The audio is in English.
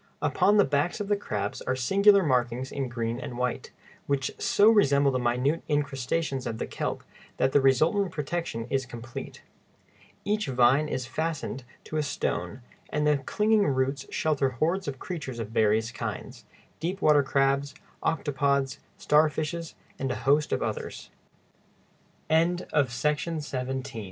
Upon the backs of the crabs are singular markings in green and white, which so resemble the minute incrustations of the kelp that the resultant protection is complete. [Compare illustration on page 252.] Each vine is fastened to a stone, and the clinging roots shelter hordes of creatures of various kinds—deep water crabs, octopods, starfishes, and a host